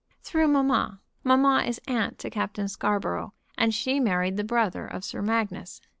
"Through mamma. Mamma is aunt to Captain Scarborough, and she married the brother of Sir Magnus.